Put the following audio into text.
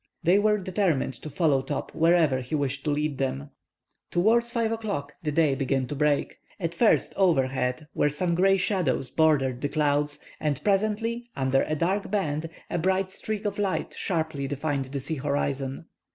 They were determined to follow Top wherever he wished to lead them. Towards 5 o'clock the day began to break. At first, overhead, where some grey shadowings bordered the clouds, and presently, under a dark band a bright streak of light sharply defined the sea horizon.